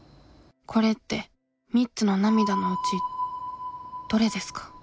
これって３つの涙のうちどれですか？